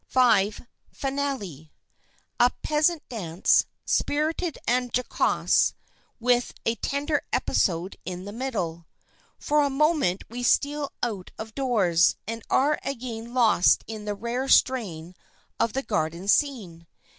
V. FINALE A peasant dance, spirited and jocose, with a tender episode in the middle. "For a moment we steal out of doors, and are again lost in the rare strain of the garden scene."